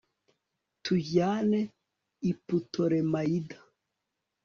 tujyane i putolemayida